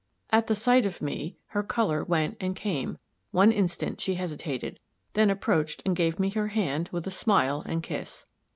At the sight of me, her color went and came one instant she hesitated, then approached and gave me her hand, with a smile and kiss.